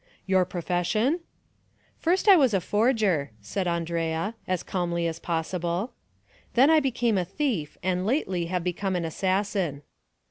"Your profession?" "First I was a forger," answered Andrea, as calmly as possible; "then I became a thief, and lately have become an assassin."